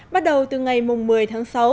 bắt đầu từ ngày một mươi tháng sáu